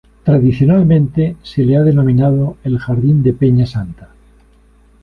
Tradicionalmente se le ha denominado el "Jardín de Peña Santa".